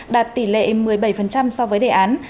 đạt tỷ lệ một mươi bảy so với đề án